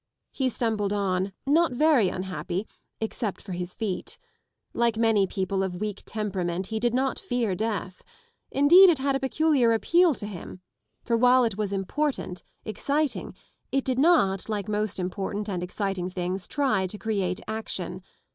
He stumbled on, not very unhappy, except for his feet. Like many people of weak temperament he did not fear death. Indeed, it had a peculiar appeal to him ; for while it was important, exciting, it did not, like most important and exciting things try to create action.